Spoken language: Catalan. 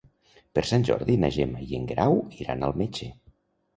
Per Sant Jordi na Gemma i en Guerau iran al metge.